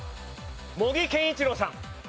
茂木健一郎さん。